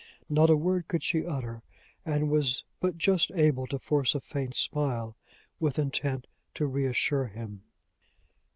Not a word could she utter, and was but just able to force a faint smile, with intent to reassure him.